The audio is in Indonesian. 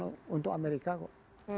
bukan untuk amerika kok